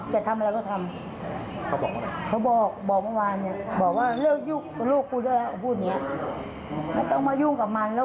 จะมองหน้าใครได้ตอนนี้ถึงพี่น้องล่ะ